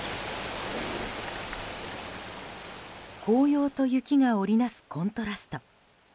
紅葉と雪が織りなすコントラスト。